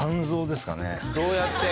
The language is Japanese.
どうやって？